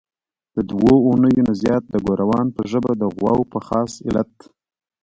د دوو اونیو نه زیات د ګوروان په ژبه د غواوو په خاص الت.